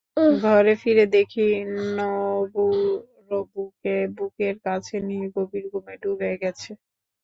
ঘরে ফিরে দেখি নবু-রবুকে বুকের কাছে নিয়ে গভীর ঘুমে ডুবে গেছে।